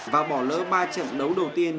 và bỏ lỡ ba trận đấu đầu tiên